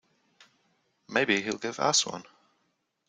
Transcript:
Maybe he'll give us one.